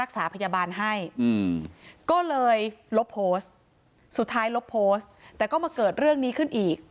สุดท้ายลบโพสต์แต่ก็มาเกิดเรื่องนี้ขึ้นอีก